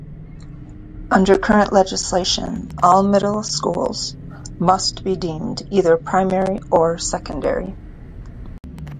Under current legislation, all middle schools must be deemed either primary or secondary.